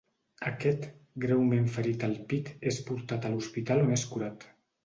Aquest, greument ferit al pit és portat a l'hospital on és curat.